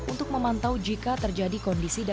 untuk memantang icar dan mencari obyek di sekitarnya